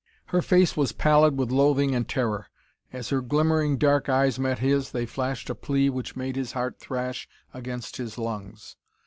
Her face was pallid with loathing and terror. As her glimmering dark eyes met his, they flashed a plea which made his heart thrash against his lungs.